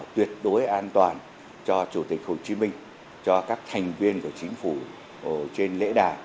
tuyệt đối an toàn cho chủ tịch hồ chí minh cho các thành viên của chính phủ trên lễ đà